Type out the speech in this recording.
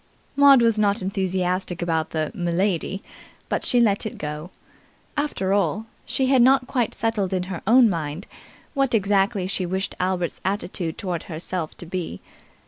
Maud was not enthusiastic about the 'M'lady', but she let it go. After all, she had not quite settled in her own mind what exactly she wished Albert's attitude towards herself to be.